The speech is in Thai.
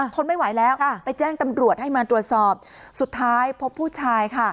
ทนไม่ไหวแล้วไปแจ้งตำรวจให้มาตรวจสอบสุดท้ายพบผู้ชายค่ะ